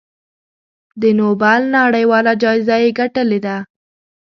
د نوبل نړیواله جایزه یې ګټلې ده.